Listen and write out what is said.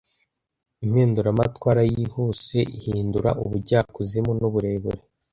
Impinduramatwara yihuse, ihindura ubujyakuzimu n'uburebure;